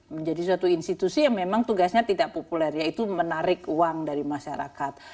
menjadi suatu institusi yang memang tugasnya tidak populer yaitu menarik uang dari masyarakat